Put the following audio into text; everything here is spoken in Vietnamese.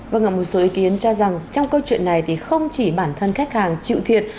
vâng một số ý kiến cho rằng trong câu chuyện này thì không chỉ bản thân khách hàng chịu thiệt